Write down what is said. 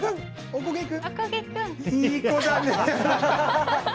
おこげ君。